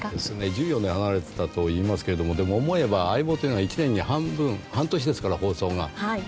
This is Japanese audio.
１４年離れていたといいますけど思えば、「相棒」というのは１年の半分ですから。